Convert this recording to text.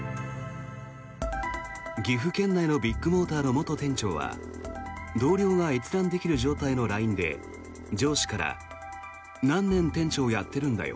岐阜県内のビッグモーターの元店長は同僚が閲覧できる状態のＬＩＮＥで、上司から何年店長やってるんだよ